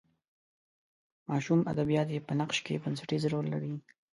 ماشوم ادبیات یې په نقش کې بنسټیز رول لري.